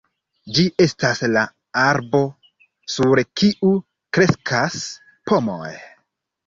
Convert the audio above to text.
Ĝi estas la arbo sur kiu kreskas pomoj.